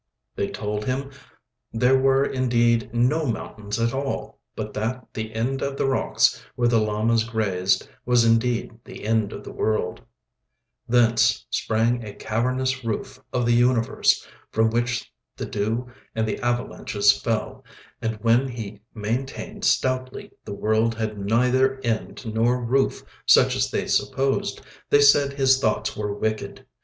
They told him there were indeed no mountains at all, but that the end of the rocks where the llamas grazed was indeed the end of the world; thence sprang a cavernous roof of the universe, from which the dew and the avalanches fell; and when he maintained stoutly the world had neither end nor roof such as they supposed, they said his thoughts were wicked.